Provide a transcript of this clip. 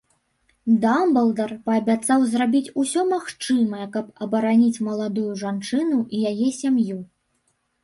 Дамблдар паабяцаў зрабіць усё магчымае, каб абараніць маладую жанчыну і яе сям'ю.